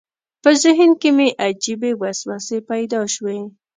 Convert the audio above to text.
په ذهن کې مې عجیبې وسوسې پیدا شوې.